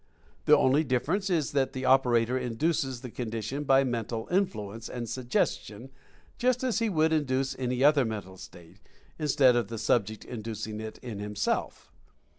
The only difference is that the operator induces the con dition by Mental Influence, and Suggestion, just as he would induce any other mental state — instead of the subject inducing it in himself.